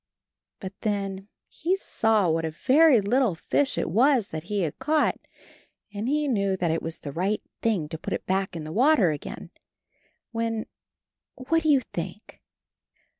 But then he saw what a very little fish it was that he had caught, and he knew that it was the right thing to put it back in the water again — ^when — what do you think?